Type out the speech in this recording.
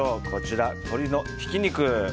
こちら、鶏のひき肉。